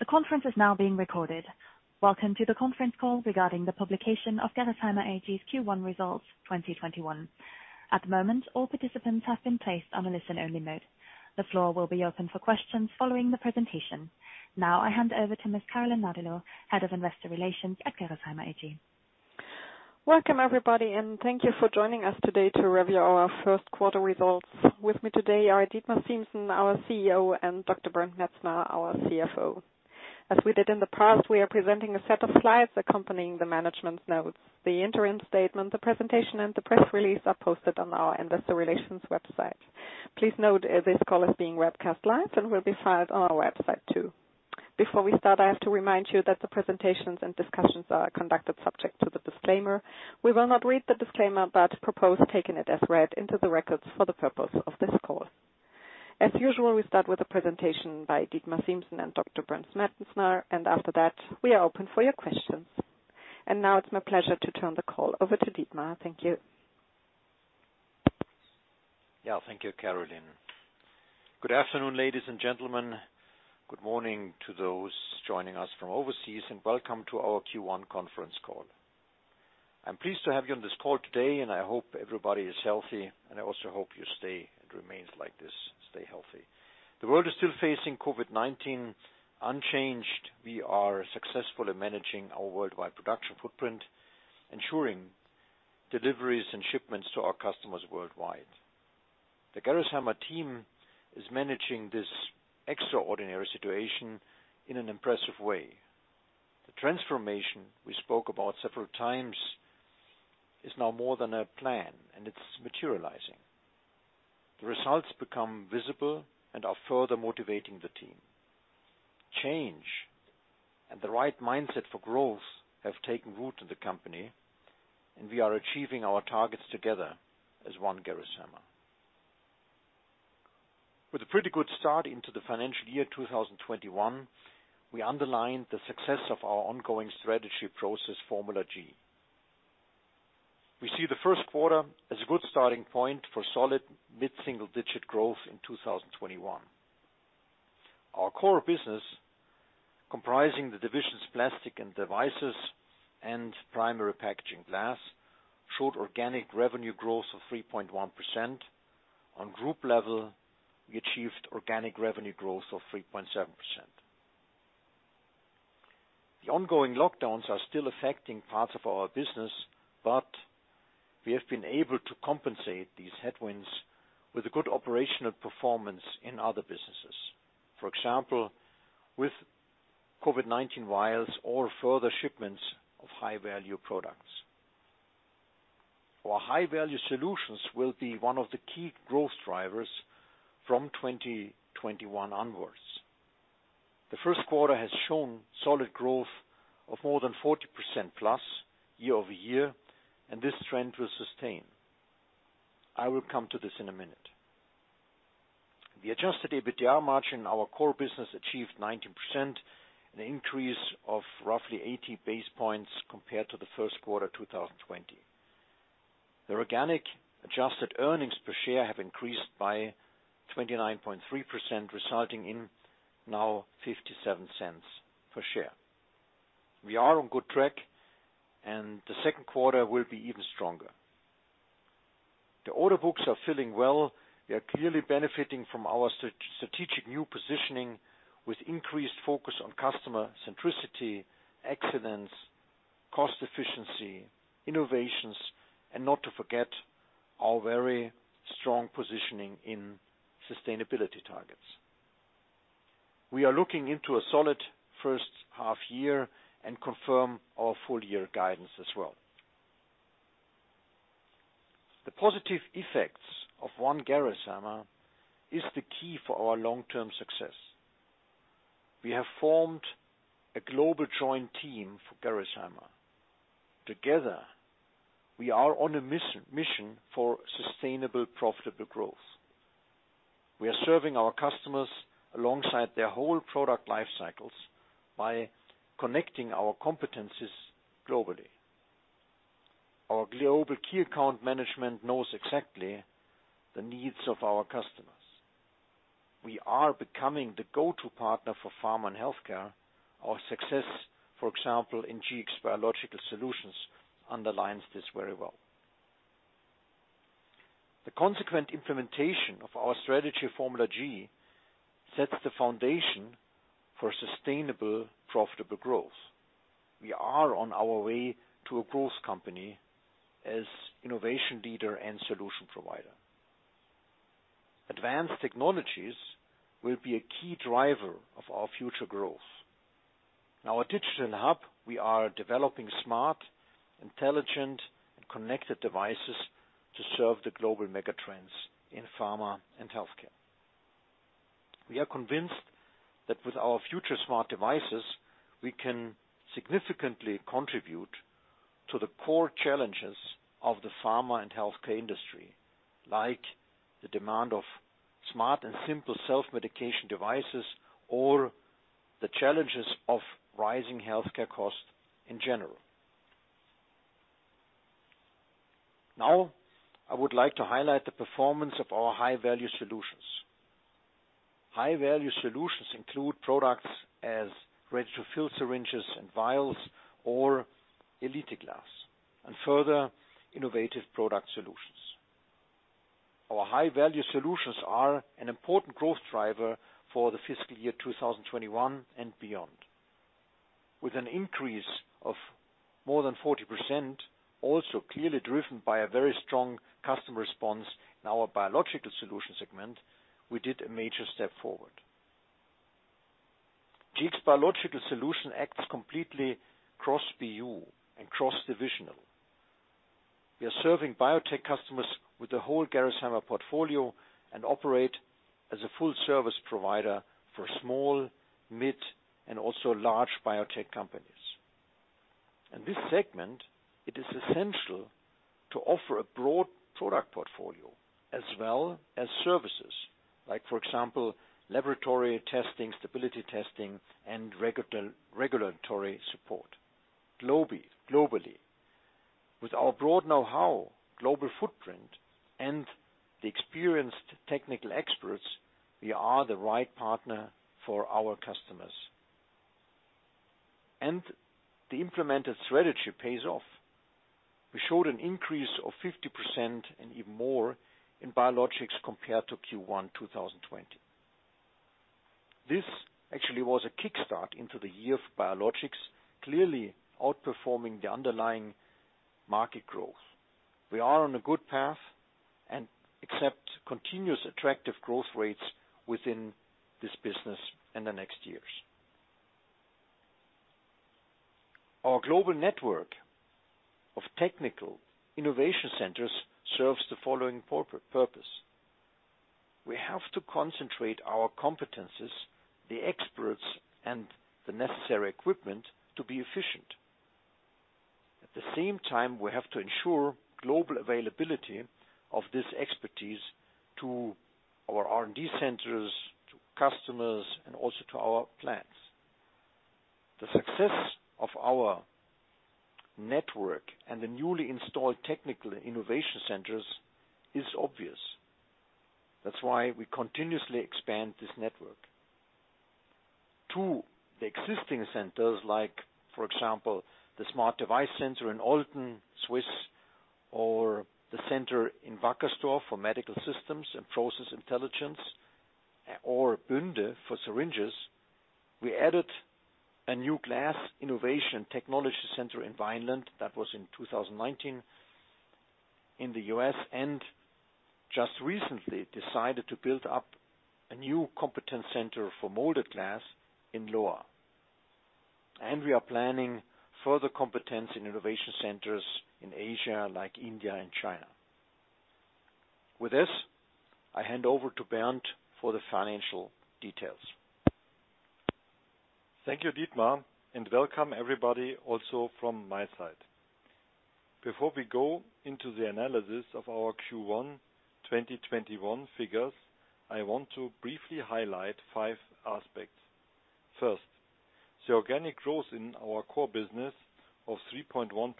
Welcome to the conference call regarding the publication of Gerresheimer AG's Q1 results 2021. At the moment all participants have been placed on a listen-only mode. The floor will be opened for questions following the presentation. Now I hand over to Ms. Carolin Nadilo, Head of Investor Relations at Gerresheimer AG. Welcome everybody, thank you for joining us today to review our Q1 results. With me today are Dietmar Siemssen, our CEO, and Dr. Bernd Metzner, our CFO. As we did in the past, we are presenting a set of slides accompanying the management's notes. The interim statement, the presentation, and the press release are posted on our investor relations website. Please note this call is being webcast live and will be filed on our website, too. Before we start, I have to remind you that the presentations and discussions are conducted subject to the disclaimer. We will not read the disclaimer but propose taking it as read into the records for the purpose of this call. As usual, we start with a presentation by Dietmar Siemssen and Dr. Bernd Metzner, and after that, we are open for your questions. Now it's my pleasure to turn the call over to Dietmar. Thank you. Yeah, thank you, Carolin. Good afternoon, ladies and gentlemen. Good morning to those joining us from overseas, and welcome to our Q1 conference call. I'm pleased to have you on this call today, and I hope everybody is healthy, and I also hope you stay and remains like this. Stay healthy. The world is still facing COVID-19 unchanged. We are successful at managing our worldwide production footprint, ensuring deliveries and shipments to our customers worldwide. The Gerresheimer team is managing this extraordinary situation in an impressive way. The transformation we spoke about several times is now more than a plan, and it's materializing. The results become visible and are further motivating the team. Change and the right mindset for growth have taken root in the company, and we are achieving our targets together as One Gerresheimer. With a pretty good start into the financial year 2021, we underlined the success of our ongoing strategy process, Formula G. We see the Q1 as a good starting point for solid mid-single-digit growth in 2021. Our core business, comprising the divisions Plastics & Devices in Primary Packaging Glass, showed organic revenue growth of 3.1%. On group level, we achieved organic revenue growth of 3.7%. The ongoing lockdowns are still affecting parts of our business, but we have been able to compensate these headwinds with a good operational performance in other businesses. For example, with COVID-19 vials or further shipments of high-value products. Our high-value solutions will be one of the key growth drivers from 2021 onwards. The Q1 has shown solid growth of more than 40% plus year-over-year, and this trend will sustain. I will come to this in a minute. The adjusted EBITDA margin in our core business achieved 90%, an increase of roughly 80 basis points compared to the Q1 2020. The organic adjusted earnings per share have increased by 29.3%, resulting in now 0.57 per share. We are on good track, and the Q2 will be even stronger. The order books are filling well. We are clearly benefiting from our strategic new positioning with increased focus on customer centricity, excellence, cost efficiency, innovations, and not to forget our very strong positioning in sustainability targets. We are looking into a solid H1 year and confirm our full year guidance as well. The positive effects of One Gerresheimer is the key for our long-term success. We have formed a global joint team for Gerresheimer. Together, we are on a mission for sustainable, profitable growth. We are serving our customers alongside their whole product life cycles by connecting our competencies globally. Our Global Key Account Management knows exactly the needs of our customers. We are becoming the go-to partner for pharma and healthcare. Our success, for example, in Gx Biological Solutions underlines this very well. The consequent implementation of our strategy, Formula G, sets the foundation for sustainable, profitable growth. We are on our way to a growth company as innovation leader and solution provider. Advanced Technologies will be a key driver of our future growth. In our Digital Hub, we are developing smart, intelligent, and connected devices to serve the global mega trends in pharma and healthcare. We are convinced that with our future smart devices, we can significantly contribute to the core challenges of the pharma and healthcare industry, like the demand of smart and simple self-medication devices or the challenges of rising healthcare costs in general. I would like to highlight the performance of our high-value solutions. High-value solutions include products as ready-to-fill syringes and vials or Gx Elite glass, and further innovative product solutions. Our high-value solutions are an important growth driver for the fiscal year 2021 and beyond. With an increase of more than 40%, also clearly driven by a very strong customer response in our Gx Biological Solutions segment, we did a major step forward. Gx Biological Solutions acts completely cross-BU and cross-divisional. We are serving biotech customers with the whole Gerresheimer portfolio and operate as a full service provider for small, mid, and also large biotech companies. In this segment, it is essential to offer a broad product portfolio as well as services like, for example, laboratory testing, stability testing, and regulatory support globally. With our broad know-how, global footprint, and the experienced technical experts, we are the right partner for our customers. The implemented strategy pays off. We showed an increase of 50% and even more in biologics compared to Q1 2020. This actually was a kickstart into the year of biologics, clearly outperforming the underlying market growth. We are on a good path and accept continuous attractive growth rates within this business in the next years. Our global network of technical innovation centers serves the following purpose. We have to concentrate our competencies, the experts, and the necessary equipment to be efficient. At the same time, we have to ensure global availability of this expertise to our R&D centers, to customers, and also to our plants. The success of our network and the newly installed technical innovation centers is obvious. That's why we continuously expand this network. To the existing centers, like for example, the smart device center in Olten, Switzerland, or the center in Wackersdorf for medical systems and process intelligence, or Bünde for syringes, we added a new glass innovation technology center in Vineland, that was in 2019, in the U.S., and just recently decided to build up a new competence center for molded glass in Lohr. We are planning further competence in innovation centers in Asia, like India and China. With this, I hand over to Bernd for the financial details. Thank you, Dietmar, and welcome everybody also from my side. Before we go into the analysis of our Q1 2021 figures, I want to briefly highlight five aspects. First, the organic growth in our core business of 3.1%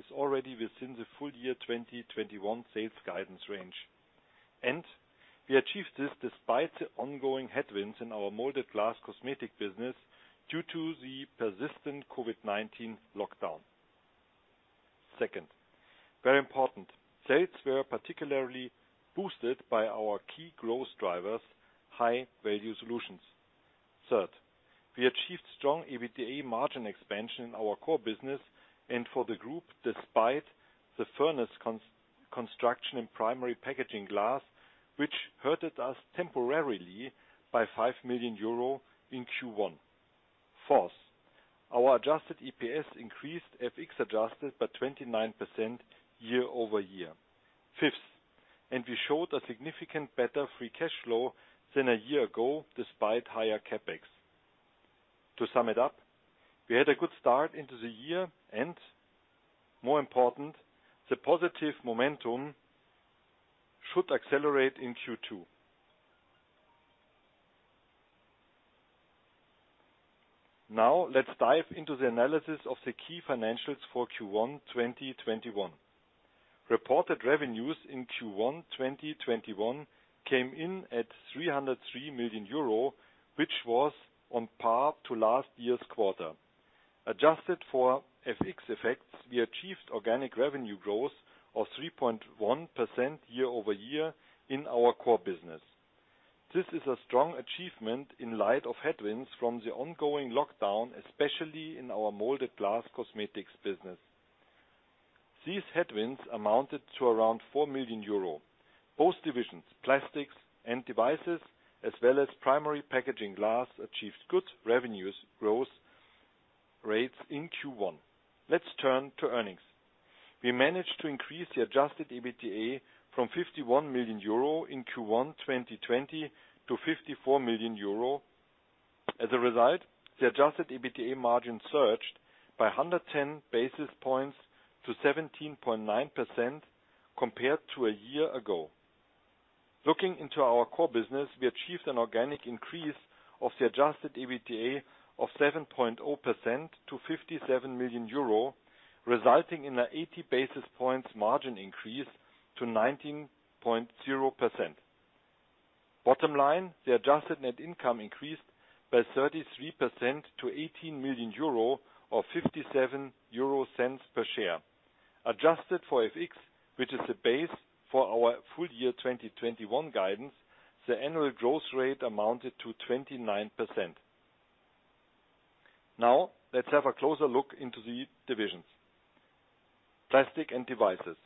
is already within the full-year 2021 sales guidance range. We achieved this despite the ongoing headwinds in our molded glass cosmetic business due to the persistent COVID-19 lockdown. Second, very important, sales were particularly boosted by our key growth drivers, high-value solutions. Third, we achieved strong EBITDA margin expansion in our core business and for the group, despite the furnace construction and Primary Packaging Glass, which hurt us temporarily by 5 million euro in Q1. Fourth, our adjusted EPS increased FX adjusted by 29% year-over-year. Fifth, we showed a significant better free cash flow than a year ago, despite higher CapEx. To sum it up, we had a good start into the year and more important, the positive momentum should accelerate in Q2. Now, let's dive into the analysis of the key financials for Q1 2021. Reported revenues in Q1 2021 came in at 303 million euro, which was on par to last year's quarter. Adjusted for FX effects, we achieved organic revenue growth of 3.1% year-over-year in our core business. This is a strong achievement in light of headwinds from the ongoing lockdown, especially in our molded glass cosmetics business. These headwinds amounted to around 4 million euro. Both divisions, Plastics & Devices, as well as Primary Packaging Glass, achieved good revenues growth rates in Q1. Let's turn to earnings. We managed to increase the adjusted EBITDA from 51 million euro in Q1 2020-EUR 54 million. As a result, the adjusted EBITDA margin surged by 110 basis points to 17.9% compared to a year ago. Looking into our core business, we achieved an organic increase of the adjusted EBITDA of 7.0% to 57 million euro, resulting in an 80 basis points margin increase to 19.0%. Bottom line, the adjusted net income increased by 33% to 18 million euro or 0.57 per share. Adjusted for FX, which is the base for our full-year 2021 guidance, the annual growth rate amounted to 29%. Now, let's have a closer look into the divisions. Plastics & Devices.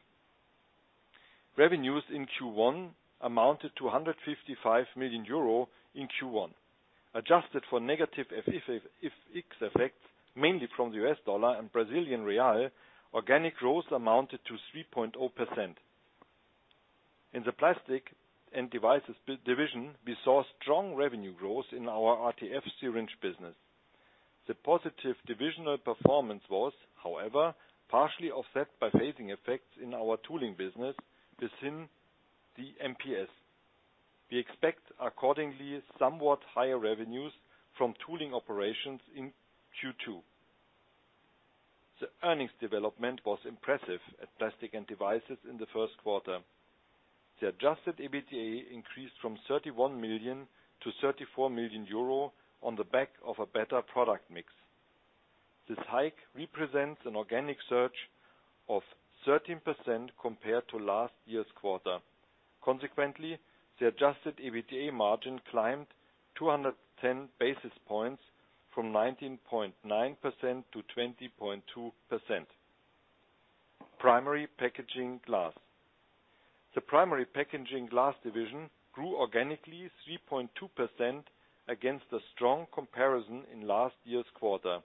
Revenues in Q1 amounted to 155 million euro in Q1. Adjusted for negative FX effects, mainly from the U.S. dollar and Brazilian real, organic growth amounted to 3.0%. In the Plastics & Devices division, we saw strong revenue growth in our RTF syringe business. The positive divisional performance was, however, partially offset by phasing effects in our tooling business within the MPS. We expect accordingly somewhat higher revenues from tooling operations in Q2. The earnings development was impressive at Plastics & Devices in the Q1. The adjusted EBITDA increased from 31 million to 34 million euro on the back of a better product mix. This hike represents an organic surge of 13% compared to last year's quarter. Consequently, the adjusted EBITDA margin climbed 210 basis points from 19.9%-20.2%. Primary Packaging Glass. The Primary Packaging Glass division grew organically 3.2% against a strong comparison in last year's quarter.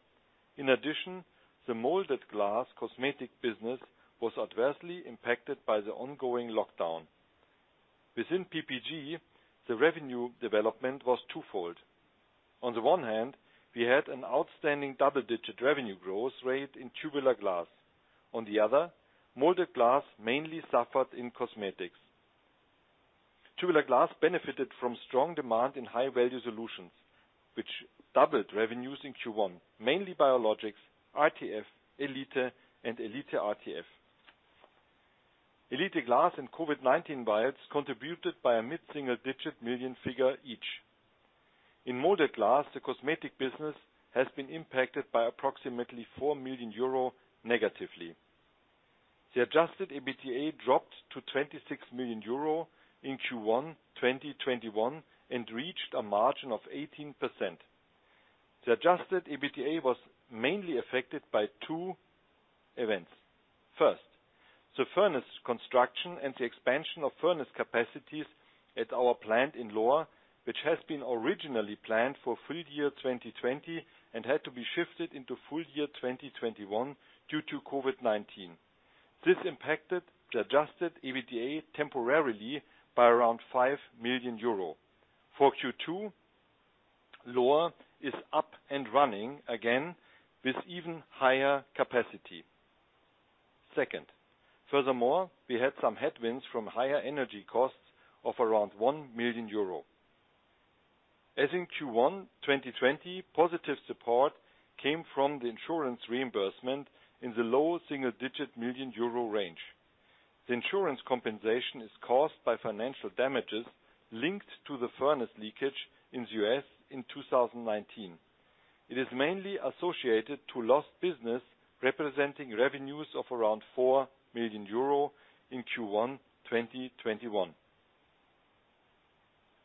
In addition, the molded glass cosmetic business was adversely impacted by the ongoing lockdown. Within PPG, the revenue development was twofold. On the one hand, we had an outstanding double-digit revenue growth rate in tubular glass. On the other, molded glass mainly suffered in cosmetics. Tubular glass benefited from strong demand in high-value solutions, which doubled revenues in Q1, mainly biologics, RTF, Elite, and Elite RTF. Elite glass and COVID-19 vials contributed by a mid-single-digit million figure each. In molded glass, the cosmetic business has been impacted by approximately 4 million euro negatively. The adjusted EBITDA dropped to 26 million euro in Q1 2021 and reached a margin of 18%. The adjusted EBITDA was mainly affected by two events. First, the furnace construction and the expansion of furnace capacities at our plant in Lohr, which has been originally planned for full year 2020 and had to be shifted into full-year 2021 due to COVID-19. This impacted the adjusted EBITDA temporarily by around 5 million euro. For Q2, Lohr is up and running again with even higher capacity. Furthermore, we had some headwinds from higher energy costs of around 1 million euro. As in Q1 2020, positive support came from the insurance reimbursement in the low single-digit million EUR range. The insurance compensation is caused by financial damages linked to the furnace leakage in the U.S. in 2019. It is mainly associated to lost business, representing revenues of around 4 million euro in Q1 2021.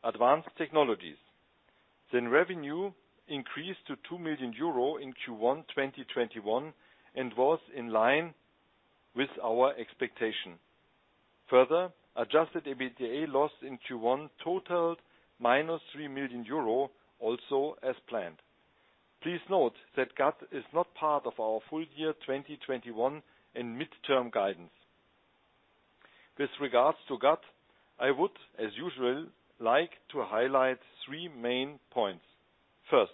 Advanced Technologies. The revenue increased to 2 million euro in Q1 2021 and was in line with our expectation. Further, adjusted EBITDA loss in Q1 totaled -3 million euro, also as planned. Please note that GUT is not part of our full-year 2021 and midterm guidance. With regards to GAT, I would, as usual, like to highlight three main points. First,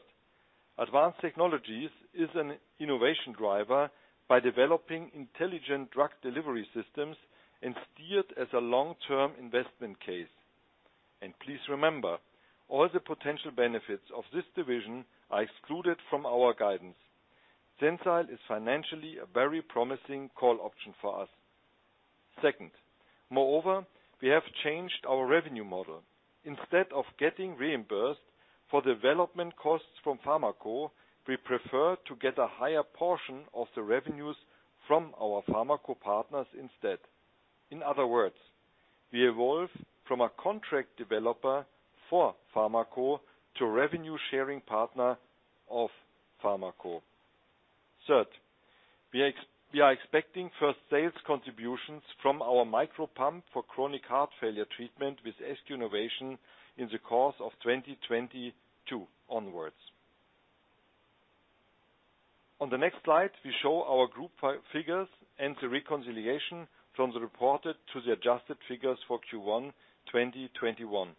Advanced Technologies is an innovation driver by developing intelligent drug delivery systems and steered as a long-term investment case. Please remember, all the potential benefits of this division are excluded from our guidance. Sensile is financially a very promising call option for us. Moreover, we have changed our revenue model. Instead of getting reimbursed for development costs from pharma co., we prefer to get a higher portion of the revenues from our pharma co. partners instead. In other words, we evolve from a contract developer for pharma co. to a revenue-sharing partner of pharma co. We are expecting first sales contributions from our micropump for chronic heart failure treatment with SQ Innovation in the course of 2022 onwards. On the next slide, we show our group figures and the reconciliation from the reported to the adjusted figures for Q1 2021.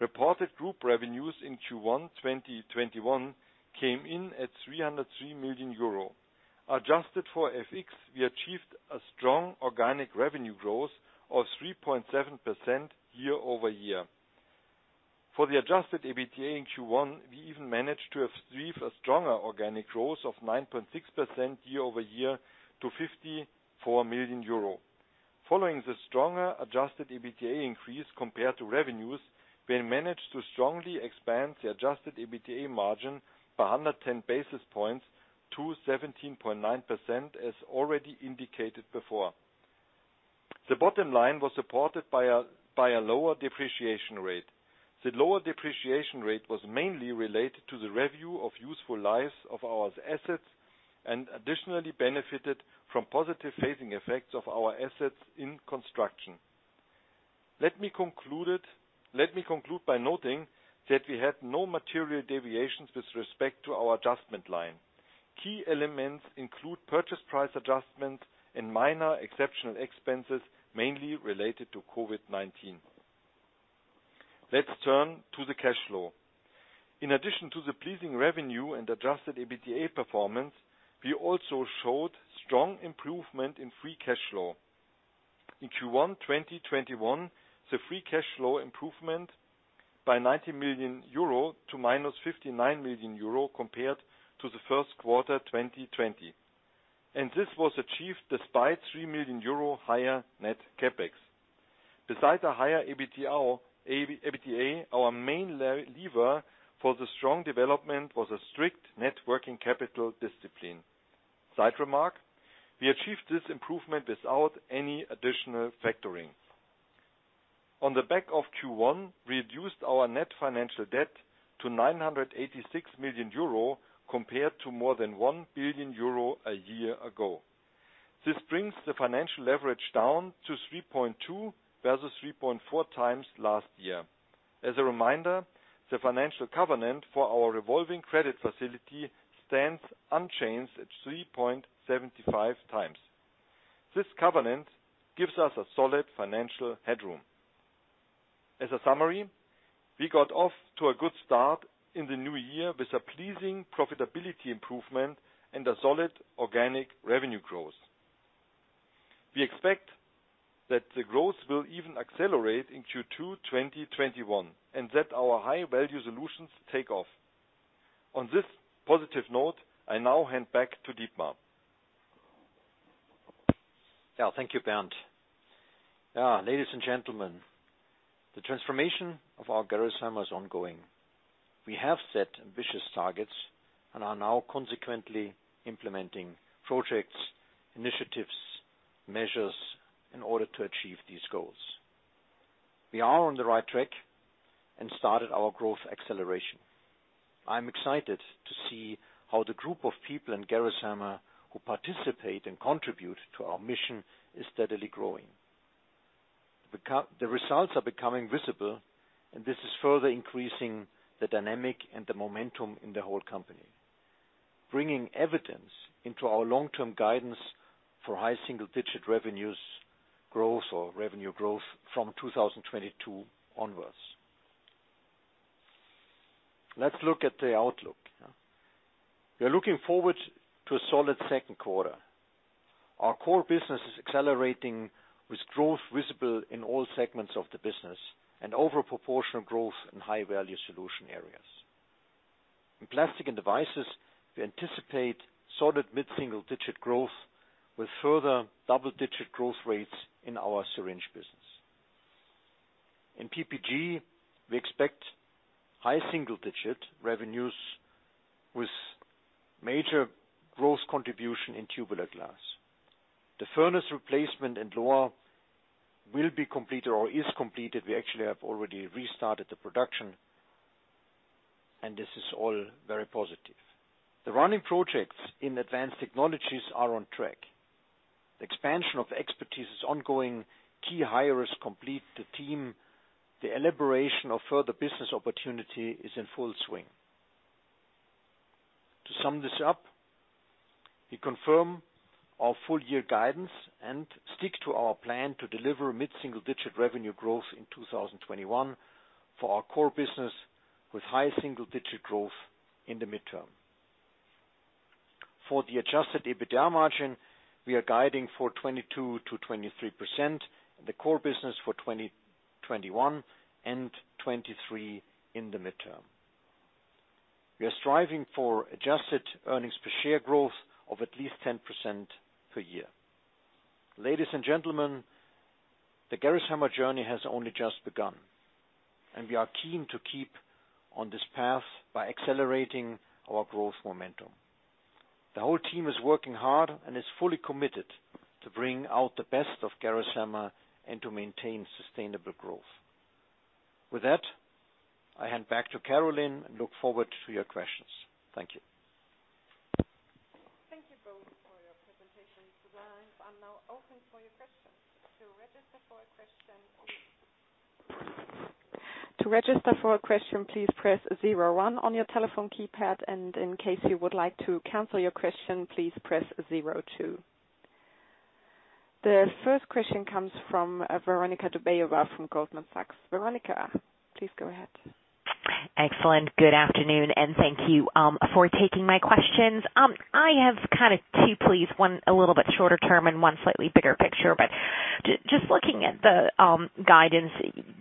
Reported group revenues in Q1 2021 came in at 303 million euro. Adjusted for FX, we achieved a strong organic revenue growth of 3.7% year-over-year. For the adjusted EBITDA in Q1, we even managed to achieve a stronger organic growth of 9.6% year-over-year to 54 million euro. Following the stronger adjusted EBITDA increase compared to revenues, we managed to strongly expand the adjusted EBITDA margin by 110 basis points to 17.9% as already indicated before. The bottom line was supported by a lower depreciation rate. The lower depreciation rate was mainly related to the review of useful lives of our assets, and additionally benefited from positive phasing effects of our assets in construction. Let me conclude by noting that we had no material deviations with respect to our adjustment line. Key elements include purchase price adjustments and minor exceptional expenses, mainly related to COVID-19. Let's turn to the cash flow. In addition to the pleasing revenue and adjusted EBITDA performance, we also showed strong improvement in free cash flow. In Q1 2021, the free cash flow improvement by 90 million euro to minus 59 million euro compared to the Q1 2020. This was achieved despite 3 million euro higher net CapEx. Besides a higher EBITDA, our main lever for the strong development was a strict net working capital discipline. Side remark, we achieved this improvement without any additional factoring. On the back of Q1, we reduced our net financial debt to 986 million euro, compared to more than 1 billion euro a year ago. This brings the financial leverage down to 3.2 versus 3.4x last year. As a reminder, the financial covenant for our revolving credit facility stands unchanged at 3.75x. This covenant gives us a solid financial headroom. As a summary, we got off to a good start in the new year with a pleasing profitability improvement and a solid organic revenue growth. We expect that the growth will even accelerate in Q2 2021, and that our high-value solutions take off. On this positive note, I now hand back to Dietmar. Yeah, thank you, Bernd. Ladies and gentlemen, the transformation of our Gerresheimer is ongoing. We have set ambitious targets and are now consequently implementing projects, initiatives, measures, in order to achieve these goals. We are on the right track and started our growth acceleration. I'm excited to see how the group of people in Gerresheimer who participate and contribute to our mission is steadily growing. The results are becoming visible, and this is further increasing the dynamic and the momentum in the whole company, bringing evidence into our long-term guidance for high single-digit revenues growth or revenue growth from 2022 onwards. Let's look at the outlook. We are looking forward to a solid second quarter. Our core business is accelerating with growth visible in all segments of the business and out of proportion growth in high-value solution areas. In Plastics & Devices, we anticipate solid mid-single-digit growth with further double-digit growth rates in our syringe business. In PPG, we expect high single-digit revenues with major growth contribution in tubular glass. The furnace replacement in Lohr will be completed or is completed. We actually have already restarted the production, this is all very positive. The running projects in Advanced Technologies are on track. The expansion of expertise is ongoing. Key hires complete the team. The elaboration of further business opportunity is in full swing. To sum this up, we confirm our full-year guidance and stick to our plan to deliver mid-single-digit revenue growth in 2021 for our core business with high single-digit growth in the midterm. For the adjusted EBITDA margin, we are guiding for 22%-23% the core business for 2021 and 2023 in the midterm. We are striving for adjusted earnings per share growth of at least 10% per year. Ladies and gentlemen, the Gerresheimer journey has only just begun, and we are keen to keep on this path by accelerating our growth momentum. The whole team is working hard and is fully committed to bring out the best of Gerresheimer and to maintain sustainable growth. With that, I hand back to Carolin and look forward to your questions. Thank you. Thank you both for your presentations. The lines are now open for your questions. To register for a question, please press zero one on your telephone keypad. And in case you would like to cancel your question, please press zero two. The first question comes from Veronika Dubajova from Goldman Sachs. Veronika, please go ahead. Excellent. Good afternoon, and thank you for taking my questions. I have two, please. One a little bit shorter term and one slightly bigger picture. Just looking at the guidance,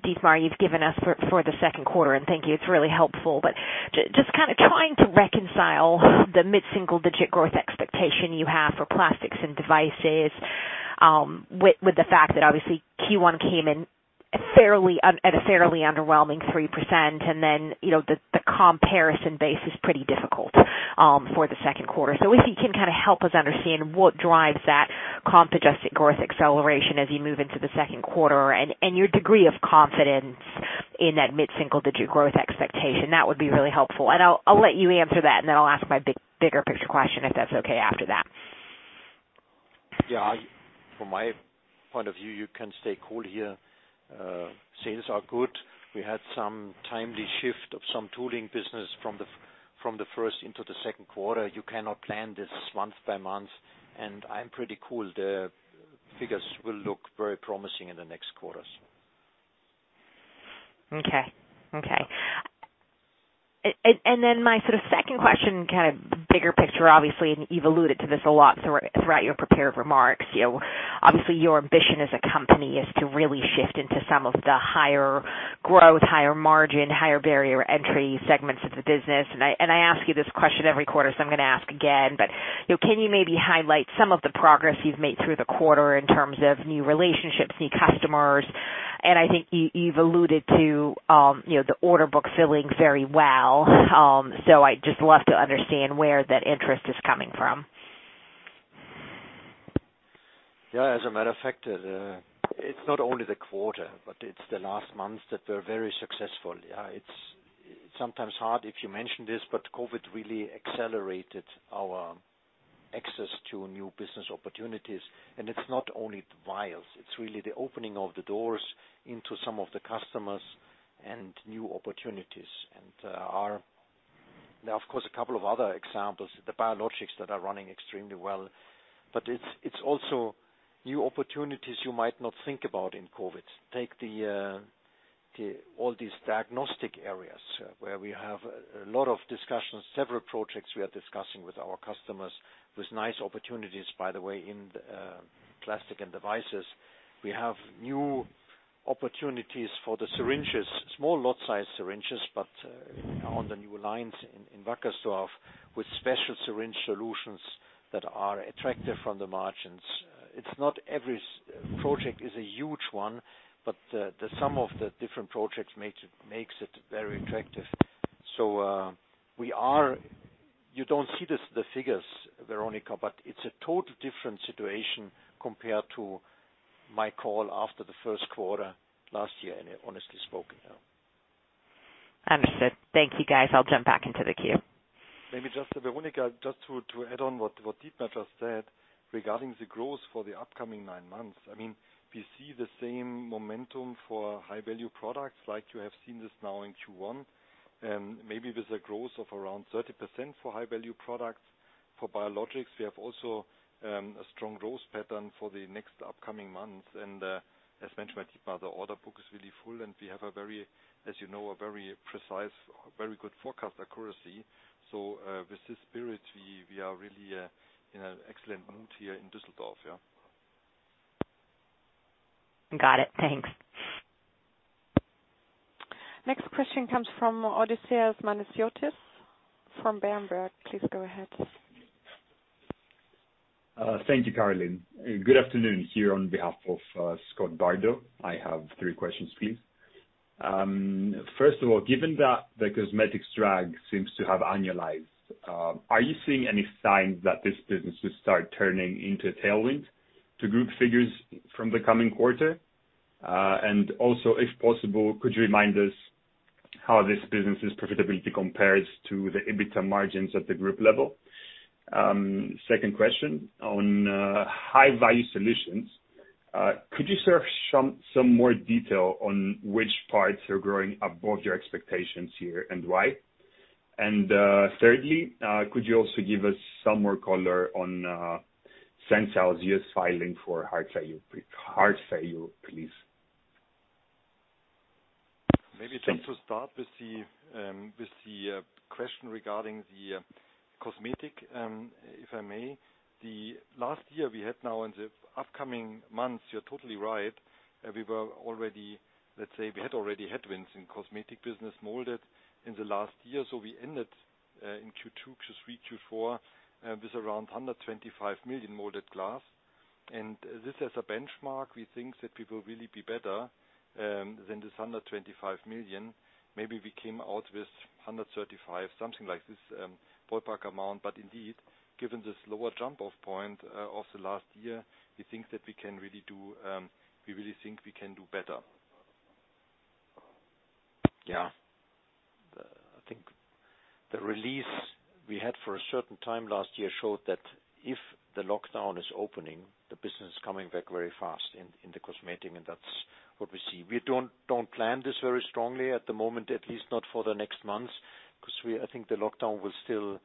Dietmar, you've given us for the Q2, and thank you, it's really helpful. Just trying to reconcile the mid-single-digit growth expectation you have for Plastics & Devices with the fact that obviously Q1 came in at a fairly underwhelming 3%, and then, the comparison base is pretty difficult for the Q2. If you can help us understand what drives that comp adjusted growth acceleration as you move into the Q2 and your degree of confidence in that mid-single-digit growth expectation, that would be really helpful. I'll let you answer that, and then I'll ask my bigger picture question, if that's okay, after that. From my point of view, you can stay cool here. Sales are good. We had some timely shift of some tooling business from the first into the Q2. You cannot plan this month by month. I'm pretty cool. The figures will look very promising in the next quarters. Okay. Then my sort of second question, the bigger picture, obviously, and you've alluded to this a lot throughout your prepared remarks. Obviously, your ambition as a company is to really shift into some of the higher growth, higher margin, higher barrier entry segments of the business. I ask you this question every quarter, so I'm going to ask again, but can you maybe highlight some of the progress you've made through the quarter in terms of new relationships, new customers? I think you've alluded to the order book filling very well. I'd just love to understand where that interest is coming from. As a matter of fact, it's not only the quarter, but it's the last months that were very successful. It's sometimes hard if you mention this, but COVID really accelerated our access to new business opportunities. It's not only the vials, it's really the opening of the doors into some of the customers and new opportunities. There are of course, a couple of other examples, the biologics that are running extremely well. It's also new opportunities you might not think about in COVID. Take all these diagnostic areas where we have a lot of discussions, several projects we are discussing with our customers with nice opportunities, by the way, in the Plastics & Devices. We have new opportunities for the syringes, small lot size syringes, but on the new lines in Wackersdorf with special syringe solutions that are attractive from the margins. It's not every project is a huge one. The sum of the different projects makes it very attractive. You don't see the figures, Veronika. It's a total different situation compared to my call after the Q1 last year, and honestly spoken. Understood. Thank you, guys. I'll jump back into the queue. Maybe just, Veronika, just to add on what Dietmar just said regarding the growth for the upcoming nine months. We see the same momentum for high-value products like you have seen this now in Q1, maybe with a growth of around 30% for high-value products. For biologics, we have also a strong growth pattern for the next upcoming months. As mentioned by Dietmar, the order book is really full, and we have, as you know, a very precise, very good forecast accuracy. With this spirit, we are really in an excellent mood here in Düsseldorf, yeah. Got it. Thanks. Next question comes from Odysseas Manesiotis from Berenberg. Please go ahead. Thank you, Carolin. Good afternoon here on behalf of Scott Bardo. I have three questions, please. First of all, given that the cosmetics drag seems to have annualized, are you seeing any signs that this business will start turning into tailwind to group figures from the coming quarter? If possible, could you remind us how this business's profitability compares to the EBITDA margins at the group level? Second question on high-value solutions. Could you share some more detail on which parts are growing above your expectations here and why? Thirdly, could you also give us some more color on Sensile Medical's filing for heart failure, please? Maybe just to start with the question regarding the cosmetic, if I may. The last year we had now and the upcoming months, you're totally right. We had already headwinds in cosmetic business molded in the last year. We ended in Q2, Q3, Q4, with around 125 million molded glass. This as a benchmark, we think that we will really be better than this 125 million. Maybe we came out with 135, something like this ballpark amount. Indeed, given this lower jump-off point of the last year, we really think we can do better. Yeah. I think the release we had for a certain time last year showed that if the lockdown is opening, the business is coming back very fast in the cosmetic, and that's what we see. We don't plan this very strongly at the moment, at least not for the next months, because I think the lockdown will still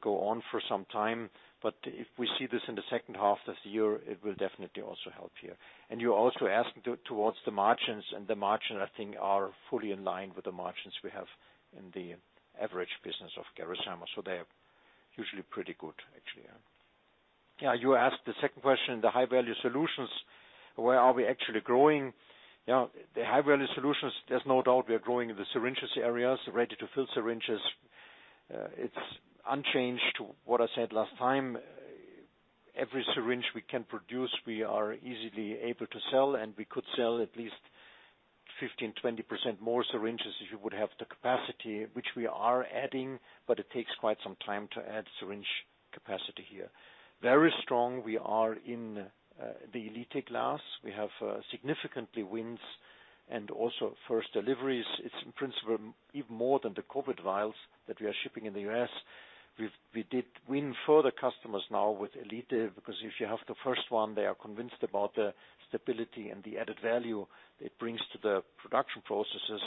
go on for some time, but if we see this in the second half of the year, it will definitely also help here. You're also asking towards the margins, and the margin, I think, are fully in line with the margins we have in the average business of Gerresheimer. They are usually pretty good, actually, yeah. You asked the second question, the high-value solutions, where are we actually growing? Yeah, the high-value solutions, there's no doubt we are growing in the syringes areas, ready-to-fill syringes. It's unchanged to what I said last time. Every syringe we can produce, we are easily able to sell. We could sell at least 15%-20% more syringes if you would have the capacity, which we are adding. It takes quite some time to add syringe capacity here. Very strong we are in the Gx Elite glass. We have significantly wins and also first deliveries. It's in principle, even more than the COVID-19 vials that we are shipping in the U.S. We did win further customers now with Gx Elite. If you have the first one, they are convinced about the stability and the added value it brings to the production processes.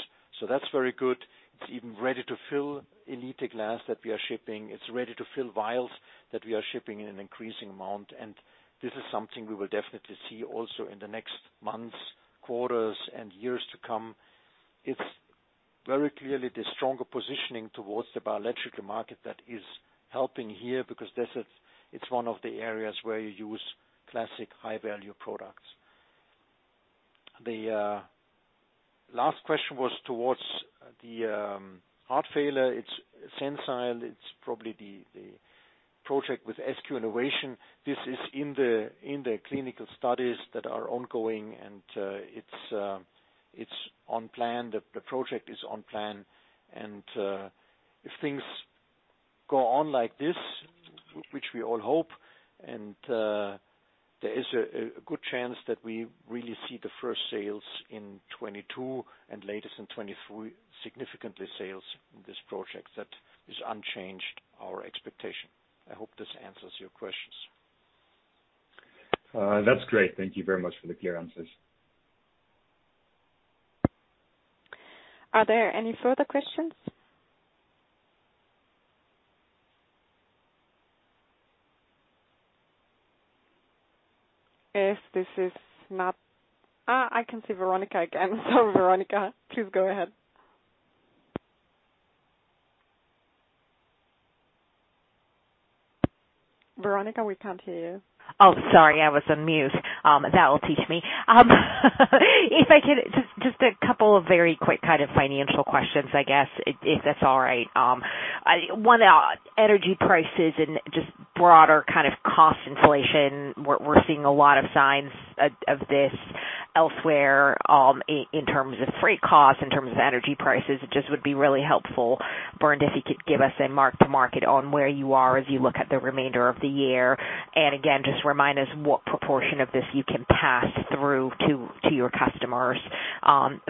That's very good. It's even ready-to-fill Gx Elite glass that we are shipping. It's ready-to-fill vials that we are shipping in an increasing amount. This is something we will definitely see also in the next months, quarters, and years to come. It's very clearly the stronger positioning towards the biological market that is helping here because it's one of the areas where you use classic high-value products. The last question was towards the heart failure. It's Sensile, it's probably the project with SQ Innovation. This is in the clinical studies that are ongoing. The project is on plan. If things go on like this, which we all hope, there is a good chance that we really see the first sales in 2022 and latest in 2023, significantly sales in this project. That is unchanged, our expectation. I hope this answers your questions. That's great. Thank you very much for the clear answers. Are there any further questions? I can see Veronika again. Veronika, please go ahead. Veronika, we can't hear you. Oh, sorry. I was on mute. That will teach me. If I could, just a couple of very quick kind of financial questions, I guess, if that's all right. One, energy prices and just broader kind of cost inflation. We're seeing a lot of signs of this elsewhere, in terms of freight costs, in terms of energy prices. It just would be really helpful, Bernd, if you could give us a mark-to-market on where you are as you look at the remainder of the year. Again, just remind us what proportion of this you can pass through to your customers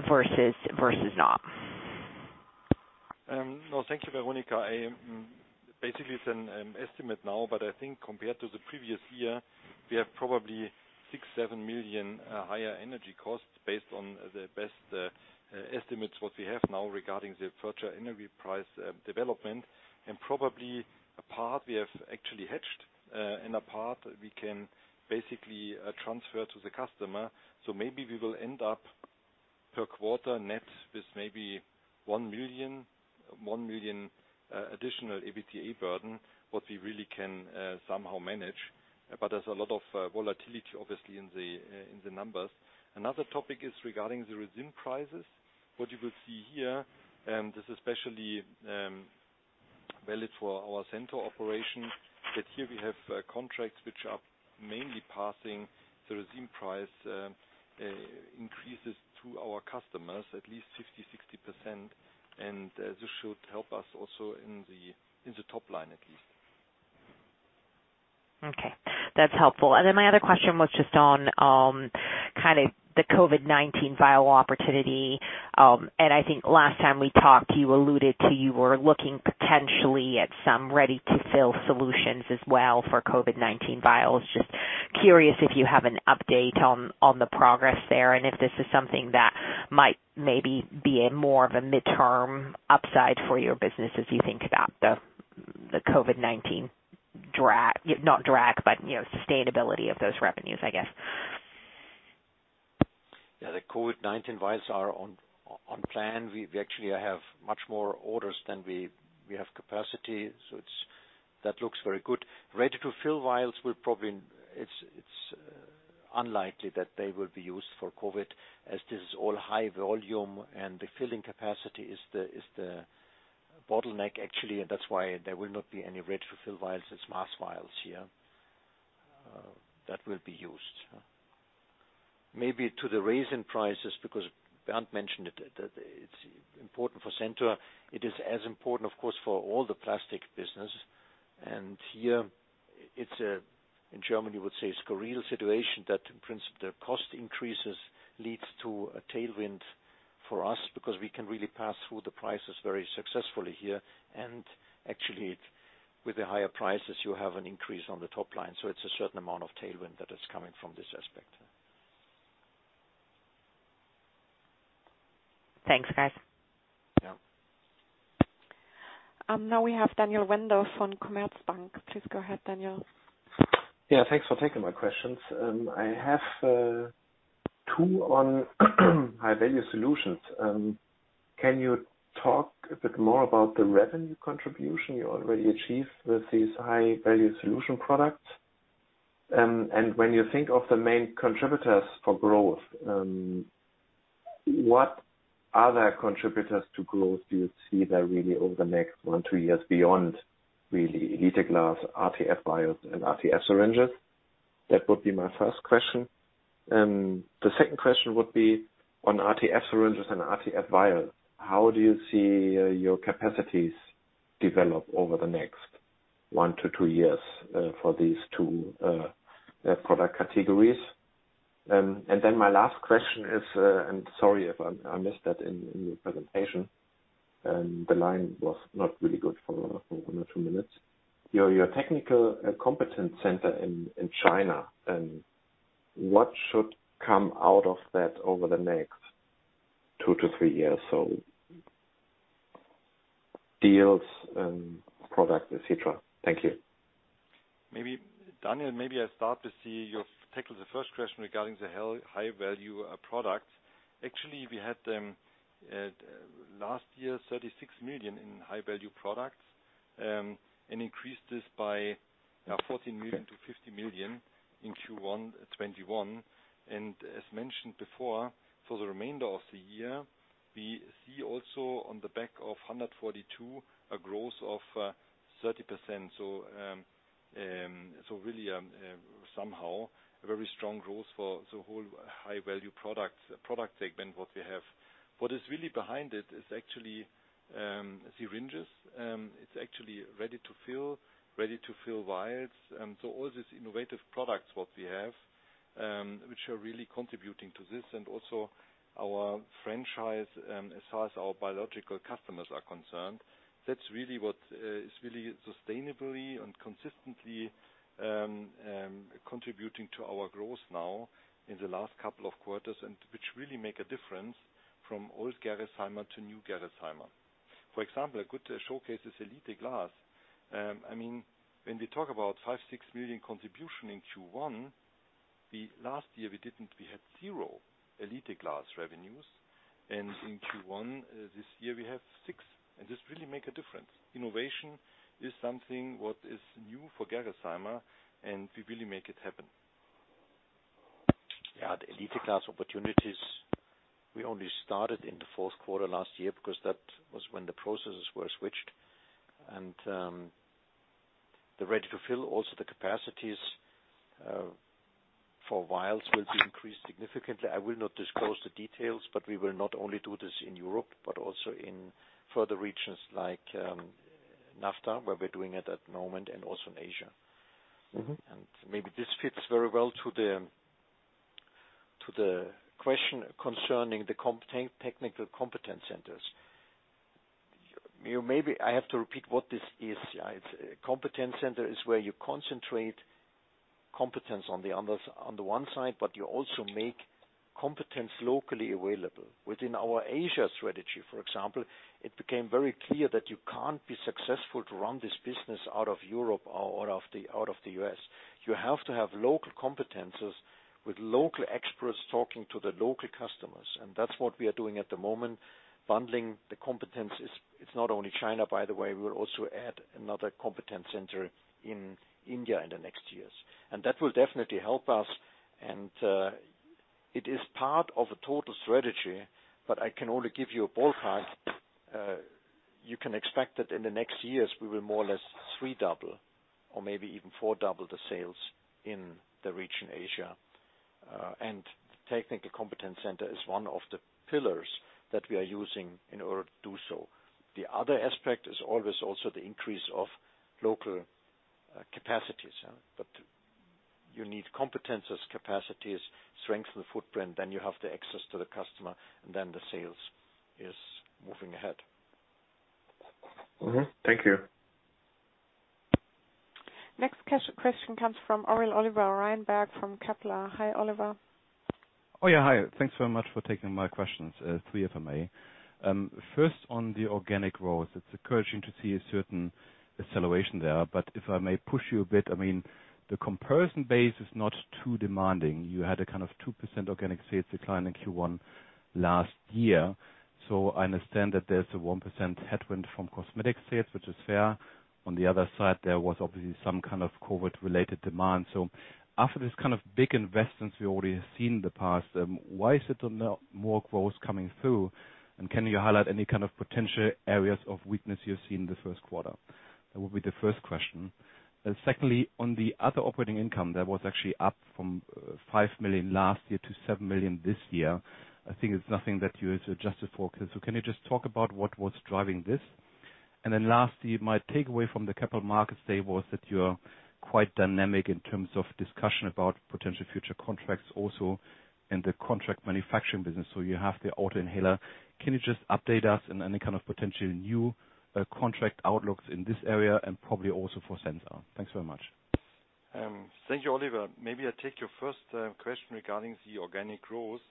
versus not. No. Thank you, Veronika. Basically, it's an estimate now, but I think compared to the previous year, we have probably 6 million-7 million higher energy costs based on the best estimates what we have now regarding the future energy price development and probably a part we have actually hedged and a part we can basically transfer to the customer. Maybe we will end up per quarter net with maybe 1 million additional EBITDA burden, what we really can somehow manage. There's a lot of volatility, obviously, in the numbers. Another topic is regarding the resin prices. What you will see here, and this is especially valid for our Centor operation, that here we have contracts which are mainly passing the resin price increases to our customers at least 50%-60%. This should help us also in the top line, at least. Okay. That's helpful. Then my other question was just on kind of the COVID-19 vial opportunity. I think last time we talked, you alluded to you were looking potentially at some ready-to-fill solutions as well for COVID-19 vials. Just curious if you have an update on the progress there and if this is something that might maybe be a more of a midterm upside for your business as you think about the COVID-19 drag, not drag, but sustainability of those revenues, I guess. Yeah. The COVID-19 vials are on plan. We actually have much more orders than we have capacity, that looks very good. Ready-to-fill vials, it's unlikely that they will be used for COVID-19 as this is all high volume and the filling capacity is the bottleneck, actually, that's why there will not be any ready-to-fill vials. It's mass vials here that will be used. Maybe to the resin prices, because Bernd mentioned it, that it's important for Centor. It is as important, of course, for all the plastic business. Here it's, in Germany we would say, a surreal situation that in principle, the cost increases leads to a tailwind for us because we can really pass through the prices very successfully here. Actually, with the higher prices, you have an increase on the top line. It's a certain amount of tailwind that is coming from this aspect. Thanks, guys. Yeah. Now we have Daniel Wendorff from Commerzbank. Please go ahead, Daniel. Yeah. Thanks for taking my questions. I have two on high-value solutions. Can you talk a bit more about the revenue contribution you already achieved with these high-value solution products? When you think of the main contributors for growth, what other contributors to growth do you see there really over the next one-two years beyond really Gx Elite glass, RTF vials, and RTF syringes? That would be my first question. The second question would be on RTF syringes and RTF vials. How do you see your capacities develop over the next one-two years for these two product categories? Then my last question is, and sorry if I missed that in your presentation, the line was not really good for one or two minutes. Your technical competence center in China, what should come out of that over the next two-three years? Deals and product, et cetera. Thank you. Daniel, maybe I start to see you tackle the first question regarding the high-value products. We had them last year, 36 million in high-value products, and increased this by 14 million to 50 million in Q1 2021. As mentioned before, for the remainder of the year, we see also on the back of a growth of 30%. Really, somehow, a very strong growth for the whole high-value product segment, what we have. What is really behind it is actually syringes. It's actually ready-to-fill vials. All these innovative products, what we have, which are really contributing to this and also our franchise, as far as our biological customers are concerned. That's really what is really sustainably and consistently contributing to our growth now in the last couple of quarters, and which really make a difference from old Gerresheimer to new Gerresheimer. For example, a good showcase is Gx Elite glass. When we talk about 5 million, 6 million contribution in Q1, last year we didn't. We had zero Gx Elite glass revenues. In Q1 this year, we have 6 million. This really make a difference. Innovation is something what is new for Gerresheimer, and we really make it happen. The Gx Elite glass opportunities, we only started in the Q4 last year because that was when the processes were switched. The ready-to-fill, also the capacities for vials will be increased significantly. I will not disclose the details, but we will not only do this in Europe, but also in further regions like NAFTA, where we're doing it at the moment, and also in Asia. Maybe this fits very well to the question concerning the technical competence centers. Maybe I have to repeat what this is. A competence center is where you concentrate competence on the one side, but you also make competence locally available. Within our Asia strategy, for example, it became very clear that you can't be successful to run this business out of Europe or out of the U.S. You have to have local competencies with local experts talking to the local customers. That's what we are doing at the moment, bundling the competencies. It's not only China, by the way. We will also add another competence center in India in the next years. That will definitely help us. It is part of a total strategy, but I can only give you a ballpark. You can expect that in the next years, we will more or less three-double or maybe even four-double the sales in the region Asia. Technical competence center is one of the pillars that we are using in order to do so. The other aspect is always also the increase of local capacities. You need competences, capacities, strengthen the footprint, then you have the access to the customer, and then the sales is moving ahead. Thank you. Next question comes from Oliver Reinberg from Kepler. Hi, Oliver. Oh, yeah. Hi. Thanks very much for taking my questions, three if I may. First on the organic growth, it's encouraging to see a certain acceleration there. If I may push you a bit, the comparison base is not too demanding. You had a kind of 2% organic sales decline in Q1 last year. I understand that there's a 1% headwind from cosmetic sales, which is fair. On the other side, there was obviously some kind of COVID-related demand. After this kind of big investments we already have seen in the past, why is it more growth coming through? Can you highlight any kind of potential areas of weakness you've seen in the Q1? That would be the first question. Secondly, on the other operating income that was actually up from 5 million last year to 7 million this year. I think it's nothing that you need to adjust the forecast. Can you just talk about what was driving this? Lastly, my takeaway from the Capital Markets Day was that you are quite dynamic in terms of discussion about potential future contracts also in the contract manufacturing business. You have the autoinjector. Can you just update us on any kind of potential new contract outlooks in this area and probably also for Sensile Medical? Thanks very much. Thank you, Oliver. Maybe I take your first question regarding the organic growth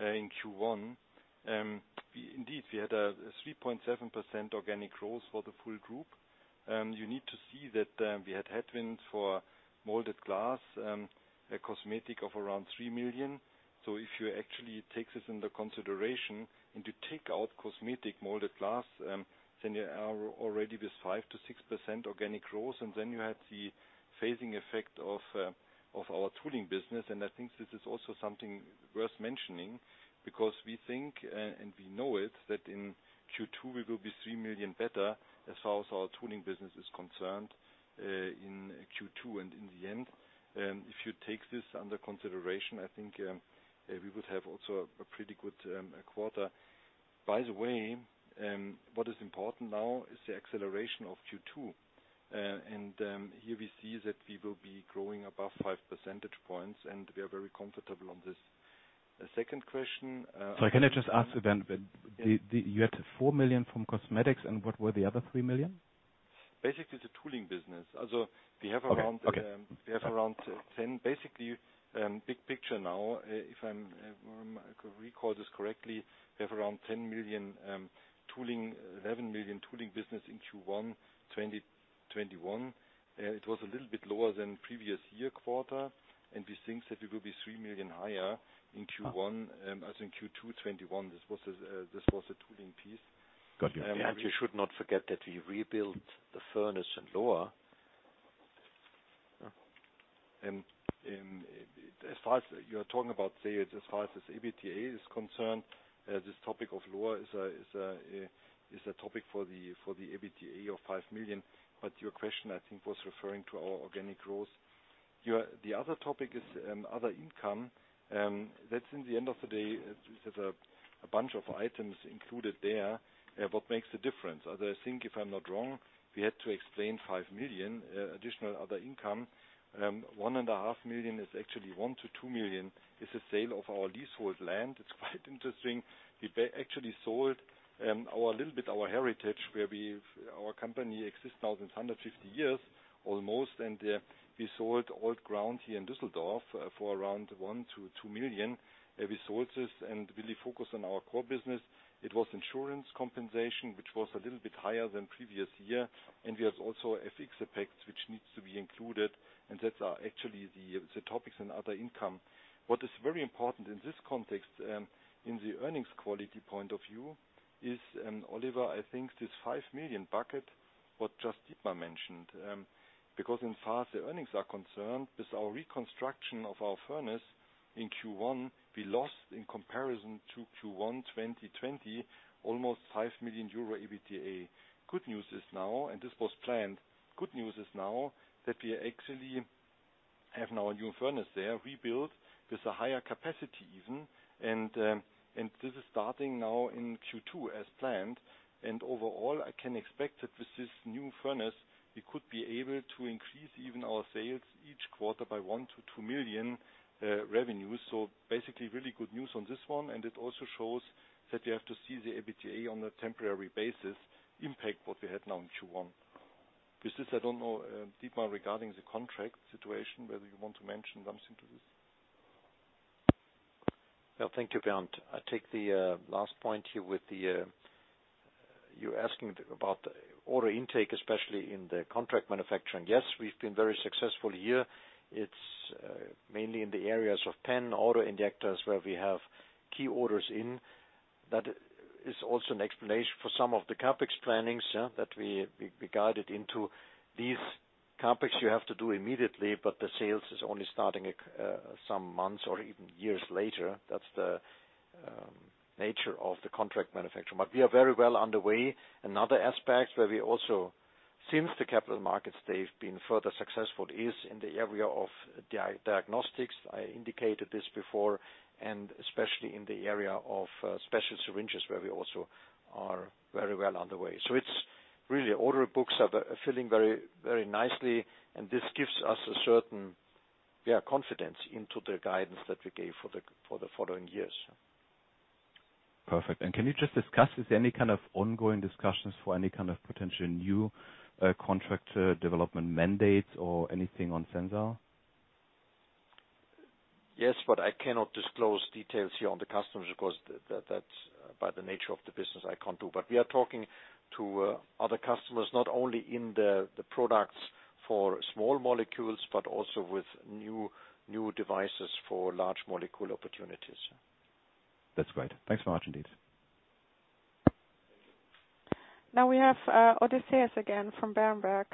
in Q1. Indeed, we had a 3.7% organic growth for the full group. You need to see that we had headwinds for molded glass, a cosmetic of around 3 million. If you actually take this into consideration and you take out cosmetic molded glass, then you are already with 5%-6% organic growth. Then you had the phasing effect of our tooling business. I think this is also something worth mentioning because we think, and we know it, that in Q2 we will be 3 million better as far as our tooling business is concerned in Q2 and in the end. If you take this under consideration, I think we would have also a pretty good quarter. By the way, what is important now is the acceleration of Q2. Here we see that we will be growing above 5 percentage points, and we are very comfortable on this. Can I just ask you then, you had 4 million from cosmetics and what were the other 3 million? Basically, the tooling business. Okay. Basically, big picture now, if I recall this correctly, we have around 10 million tooling, 11 million tooling business in Q1 2021. It was a little bit lower than previous year-quarter, and we think that it will be 3 million higher in Q2 2021. This was a tooling piece. Got you. You should not forget that we rebuilt the furnace in Lohr. As far as you're talking about sales, as far as EBITDA is concerned, this topic of Lohr is a topic for the EBITDA of 5 million. Your question, I think, was referring to our organic growth. The other topic is other income. That's in the end of the day, there's a bunch of items included there. What makes a difference? I think, if I'm not wrong, we had to explain 5 million additional other income. 1.5 million is actually 1 million-2 million, is the sale of our leasehold land. It's quite interesting. We actually sold a little bit our heritage, our company exists now since 150 years almost, and we sold old ground here in Düsseldorf for around 1 million-2 million resources and really focus on our core business. It was insurance compensation, which was a little bit higher than previous year. We have also a fixed effect which needs to be included, and that's actually the topics in other income. What is very important in this context, in the earnings quality point of view, is, Oliver, I think this 5 million bucket, what just Dietmar mentioned. Insofar as the earnings are concerned, with our reconstruction of our furnace in Q1, we lost, in comparison to Q1 2020, almost 5 million euro EBITDA. Good news is now, and this was planned. Good news is now that we actually have now a new furnace there, rebuilt with a higher capacity even. This is starting now in Q2 as planned. Overall, I can expect that with this new furnace, we could be able to increase even our sales each quarter by 1 million-2 million revenues. Basically really good news on this one. It also shows that we have to see the EBITDA on a temporary basis impact what we had now in Q1. With this, I don't know, Dietmar, regarding the contract situation, whether you want to mention something to this. Well, thank you, Bernd. I take the last point here with you asking about the order intake, especially in the contract manufacturing. Yes, we've been very successful here. It's mainly in the areas of autoinjectors where we have key orders in. That is also an explanation for some of the CapEx plannings that we guided into these CapEx you have to do immediately, but the sales is only starting some months or even years later. That's the nature of the contract manufacturing. We are very well underway. Another aspect where we also, since the capital markets, they've been further successful is in the area of diagnostics. I indicated this before, especially in the area of special syringes, where we also are very well underway. It's really order books are filling very nicely, and this gives us a certain confidence into the guidance that we gave for the following years. Perfect. Can you just discuss, is there any kind of ongoing discussions for any kind of potential new contract development mandates or anything on Sensile? Yes, I cannot disclose details here on the customers, because that's by the nature of the business I can't do. We are talking to other customers, not only in the products for small molecules, but also with new devices for large molecule opportunities. That's great. Thanks very much indeed. Now we have Odysseas again from Berenberg.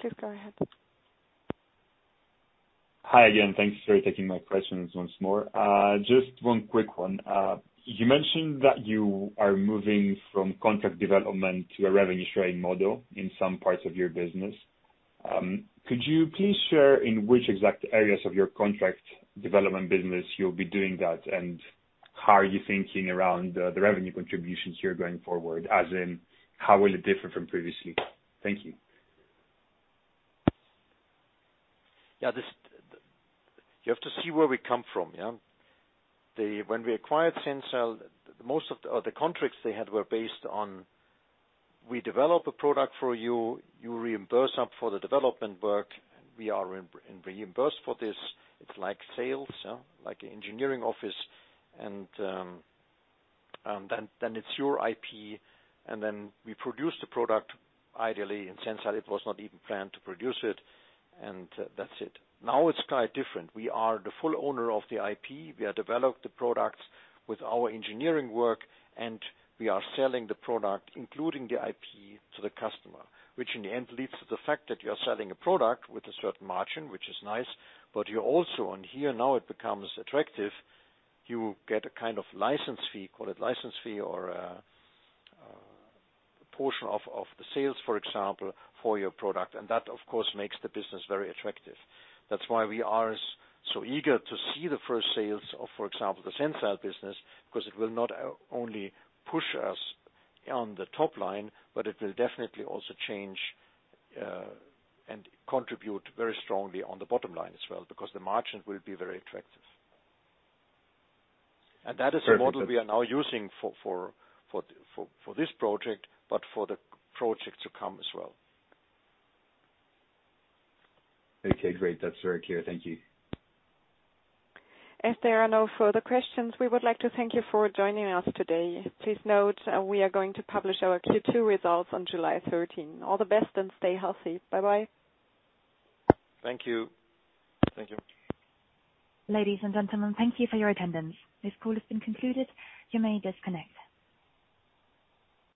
Please go ahead. Hi again. Thanks for taking my questions once more. Just one quick one. You mentioned that you are moving from contract development to a revenue sharing model in some parts of your business. Could you please share in which exact areas of your contract development business you'll be doing that, and how are you thinking around the revenue contributions here going forward, as in how will it differ from previously? Thank you. You have to see where we come from. When we acquired Sensile, most of the contracts they had were based on, we develop a product for you reimburse them for the development work, and we are reimbursed for this. It's like sales, like engineering office. Then it's your IP, and then we produce the product ideally. In Sensile, it was not even planned to produce it. That's it. Now it's quite different. We are the full owner of the IP. We have developed the products with our engineering work, and we are selling the product, including the IP, to the customer, which in the end leads to the fact that you're selling a product with a certain margin, which is nice. You also, and here now it becomes attractive, you get a kind of license fee, call it license fee or a portion of the sales, for example, for your product. That of course makes the business very attractive. That's why we are so eager to see the first sales of, for example, the Sensile business, because it will not only push us on the top line, but it will definitely also change and contribute very strongly on the bottom line as well, because the margins will be very attractive. That is the model we are now using for this project, but for the projects to come as well. Okay, great. That's very clear. Thank you. If there are no further questions, we would like to thank you for joining us today. Please note, we are going to publish our Q2 results on July 13. All the best and stay healthy. Bye-bye. Thank you. Thank you. Ladies and gentlemen, thank you for your attendance. This call has been concluded. You may disconnect.